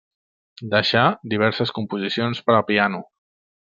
Deixà diverses composicions per a piano.